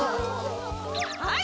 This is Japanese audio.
はい。